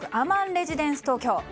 レジデンス東京。